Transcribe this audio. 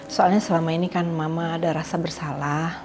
soalnya selama ini kan mama ada rasa bersalah